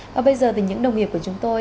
và bây giờ thì những đồng nghiệp của chúng tôi